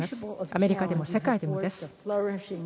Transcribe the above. アメリカでも世界でもです。